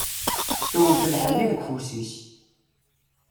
Tewwet lḥenni deg ufus-is.